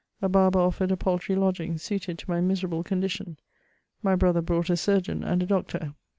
A barber oflTered a paltry lodging, smted to my miserable conation. My brother brought a surgeon and a doctor.